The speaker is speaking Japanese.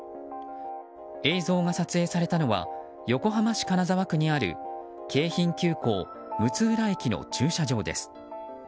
映像が撮影されたのは横浜市金沢区にある京浜急行六浦駅の駐車場です。